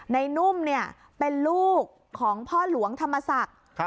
ไหนนุ่มเนี่ยเป็นลูกของพ่อหลวงธรรมศักดิ์